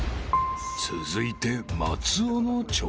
［続いて松尾の挑戦］